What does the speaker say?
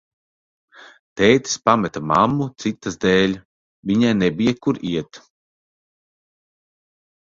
Tētis pameta mammu citas dēļ, viņai nebija, kur iet.